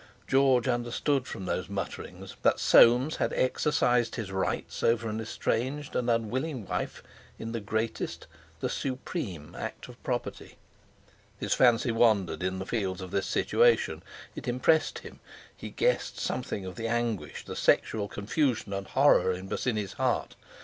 George understood from those mutterings that Soames had exercised his rights over an estranged and unwilling wife in the greatest—the supreme act of property. His fancy wandered in the fields of this situation; it impressed him; he guessed something of the anguish, the sexual confusion and horror in Bosinney's heart.